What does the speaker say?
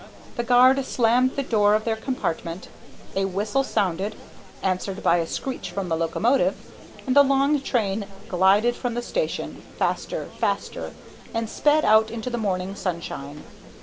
The guard slammed the door of their compartment, a whistle sounded, answered by a screech from the locomotive, and the long train glided from the station, faster, faster, and sped out into the morning sunshine.